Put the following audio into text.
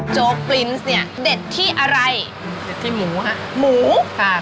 โจ๊กปลินส์เนี้ยเด็ดที่อะไรเด็ดที่หมูฮะหมูค่ะ